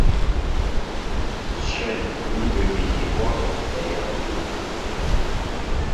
Shwɛ̂n ní bə mi ihwɔ́ ŋ̀ hɛɛ a yampi.